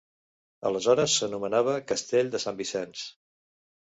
Aleshores s'anomenava Castell de Sant Vicenç.